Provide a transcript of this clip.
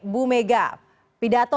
bu mega pidato